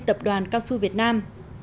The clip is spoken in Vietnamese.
tập đoàn cao xu việt nam